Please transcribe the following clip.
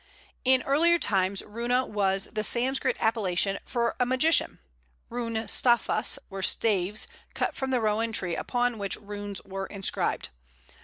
In earlier times runa was the Sanskrit appellation for a magician; rûn stafas were staves cut from the Rowan tree upon which runes were inscribed.